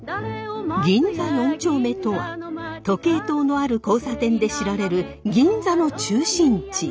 銀座四丁目とは時計塔のある交差点で知られる銀座の中心地。